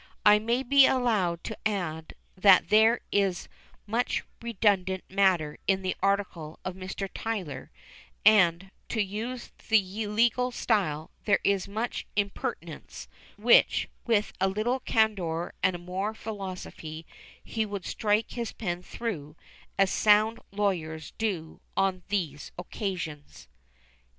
I may be allowed to add that there is much redundant matter in the article of Mr. Tytler; and, to use the legal style, there is much "impertinence," which, with a little candour and more philosophy, he would strike his pen through, as sound lawyers do on these occasions.